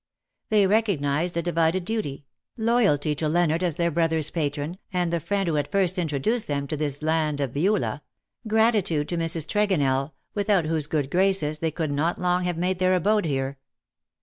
They recognized a divided duty — loyalty to Leonard as their bro therms patron, and the friend who had first introduced them to this land of Beulah — gratitude to Mrs. Tregonell, without whose good graces they could not long have made their abode here.